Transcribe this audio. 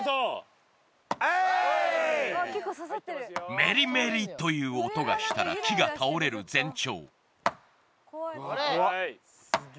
メリメリという音がしたら、木が倒れる前兆。